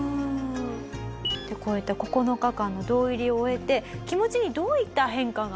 こういった９日間の堂入りを終えて気持ちにどういった変化が？